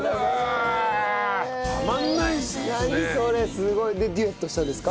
すごい！でデュエットしたんですか？